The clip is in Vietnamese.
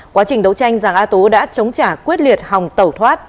quá trình đấu tranh giàng a tú đã chống trả quyết liệt hòng tẩu thoát